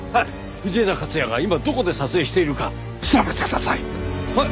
藤枝克也が今どこで撮影しているか調べてください！